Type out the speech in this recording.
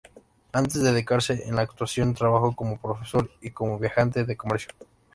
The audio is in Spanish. Antes de dedicarse a la actuación trabajó como profesor y como viajante de comercio.